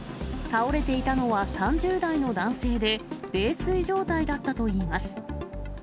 倒れていたのは３０代の男性で、泥酔状態だったといいます。